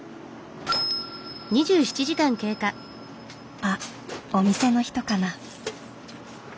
あっお店の人かな？